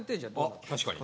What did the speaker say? あ確かに。